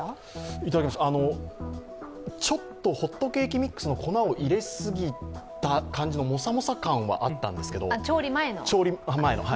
いただきました、ちょっとホットケーキミックスの粉を入れすぎたようなモサモサ感じはあったんですけれども、調理前の。